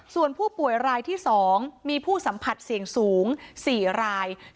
ส่วนผู้ป่วยรายที่๒มีผู้สัมผัสเสี่ยงสูง๔ราย